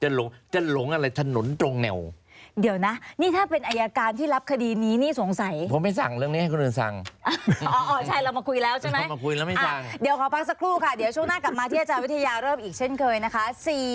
เดี๋ยวช่วงหน้ากลับมาที่อาจารย์วิทยาเริ่มอีกเช่นเคยนะคะ